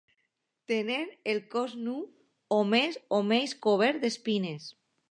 Tenen el cos nu o més o menys cobert d'espines.